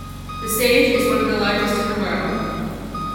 The stage is one of the largest in the world.